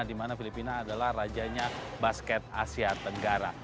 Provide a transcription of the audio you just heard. di mana filipina adalah rajanya basket asia tenggara